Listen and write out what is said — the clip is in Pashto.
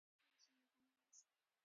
تاسو مهم یاست